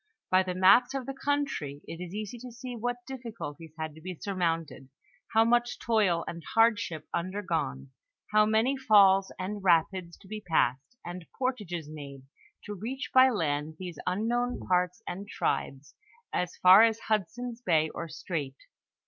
By the maps of the country it is easy to see what difficulties had to be surmounted, how much toil and hardship undergone, how many falls and rapids to be passed, and portages made, to reach by land these unknown parts and tribes, as far as Hud son's bay or strait.